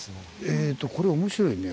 えとこれ面白いね。